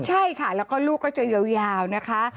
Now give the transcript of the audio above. ใช่ค่ะแล้วก็ลูกก็จะยาวนะคะ